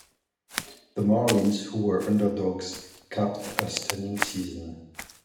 The Marlins, who were underdogs, capped a stunning season.